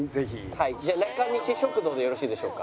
はいじゃあ中西食堂でよろしいでしょうか？